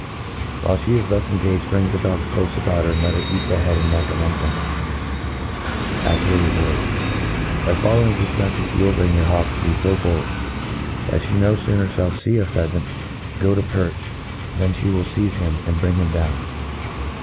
Whileihe is thus engaged, bring the dogs clofe about her, and let her eat the head and neck among them, as her re ward. •By following this method,. you will bring your hawk to be fo bold^ that (he no fooner IhallTee a pheafant go to perch, than flie will feize him, and bring him down.